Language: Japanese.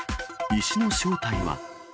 石の正体は？